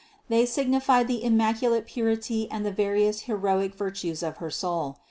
They signified the immaculate purity and the various heroic virtues of her soul.